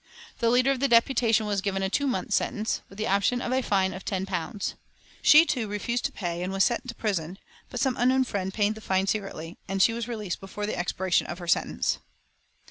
The leader of the deputation was given a two months' sentence, with the option of a fine of ten pounds. She, too, refused to pay, and was sent to prison; but some unknown friend paid the fine secretly, and she was released before the expiration of her sentence.